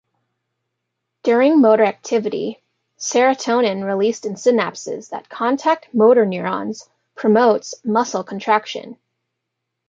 During motor activity, serotonin released in synapses that contact motoneurons promotes muscle contraction.